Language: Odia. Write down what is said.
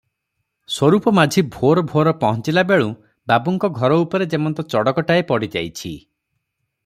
ସ୍ୱରୂପ ମାଝି ଭୋର ଭୋର ପହଞ୍ଚିଲା ବେଳୁଁ ବାବୁଙ୍କ ଘର ଉପରେ ଯେମନ୍ତ ଚଡ଼କଟାଏ ପଡି ଯାଇଛି ।